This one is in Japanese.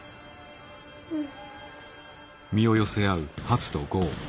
うん。